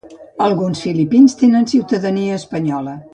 Alguns filipins tenen ciutadania espanyola.